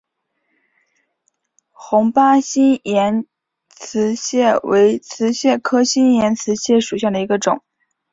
红斑新岩瓷蟹为瓷蟹科新岩瓷蟹属下的一个种。